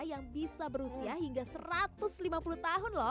yang bisa berusia hingga satu ratus lima puluh tahun loh